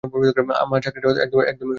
আমার চাকরিটা একদমই ভালো লাগে না।